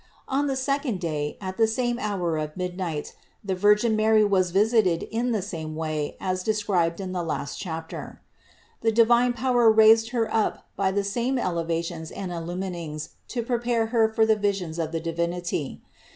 On the second day, at the same hour of midnight, the Virgin Mary was visited in the same way as described in the last chapter. The divine power raised Her up by the same elevations and illuminings to prepare Her for the visions of the Divinity.